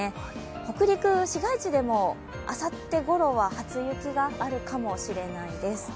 北陸、市街地でもあさってごろは初雪があるかもしれないです。